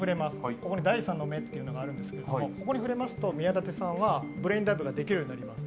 ここに第三の目があるんですけど、ここに触れますと宮舘さんはブレインダイブができるようになります。